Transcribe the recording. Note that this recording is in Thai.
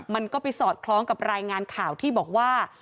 มันก็ไปสอดคล้องกับรายงานข่าวที่บอกว่า